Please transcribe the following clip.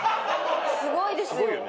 すごいですよ。